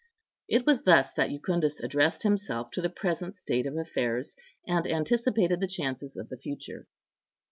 It was thus that Jucundus addressed himself to the present state of affairs, and anticipated the chances of the future.